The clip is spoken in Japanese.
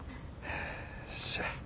よっしゃ。